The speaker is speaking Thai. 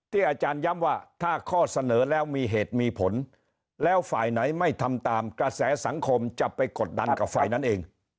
อาจารย์ย้ำว่าถ้าข้อเสนอแล้วมีเหตุมีผลแล้วฝ่ายไหนไม่ทำตามกระแสสังคมจะไปกดดันกับฝ่ายนั้นเอง